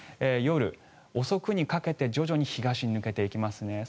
夜遅くにかけて徐々に東に抜けていきますね。